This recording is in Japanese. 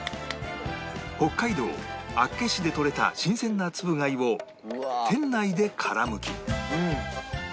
北海道厚岸でとれた新鮮なつぶ貝を店内で殻むき